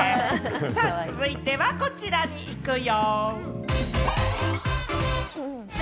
続いてはこちらにいくよ！